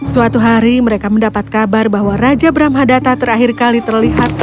suatu hari mereka mendapat kabar bahwa raja brahmadata terakhir kali terlihat